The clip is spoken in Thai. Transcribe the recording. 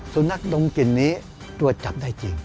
สุนัขดมกลิ่นนี้ตรวจจับได้จริง